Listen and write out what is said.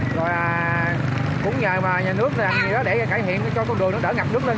rồi cũng nhờ nhà nước làm gì đó để cải thiện cho con đường nó đỡ ngập nước lên